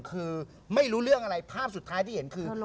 คือไม่รู้เรื่องอะไรภาพสุดท้ายที่เห็นคือ